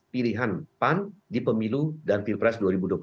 pilihan pan di pemilu dan pilpres dua ribu dua puluh empat